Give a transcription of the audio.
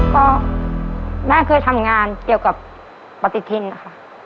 ก็แม่เคยทำงานเกี่ยวกับปฏิทินอ่ะค่ะ